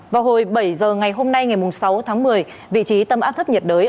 vào hồi bảy giờ ngày hôm nay ngày sáu tháng một mươi vị trí tâm áp thấp nhiệt đới